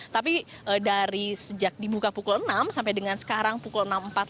tapi dari sejak dibuka pukul enam sampai dengan sekarang pukul enam empat puluh